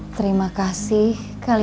terimakasih enjoysya beli